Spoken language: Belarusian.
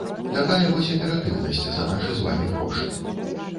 Такая вось аператыўнасць за нашы з вамі грошы.